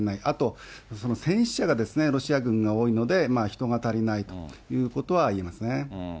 あと戦死者がロシア軍が多いので、人が足りないということは言えますね。